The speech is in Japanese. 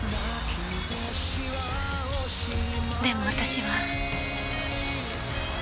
でも私は。